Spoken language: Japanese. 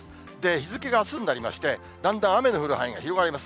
日付があすになりまして、だんだん雨の降る範囲が広がります。